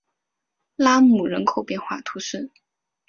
拉穆人口变化图示